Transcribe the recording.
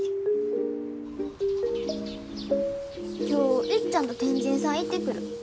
今日いっちゃんと天神さん行ってくる。